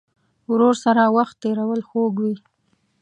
ورور سره وخت تېرول خوږ وي.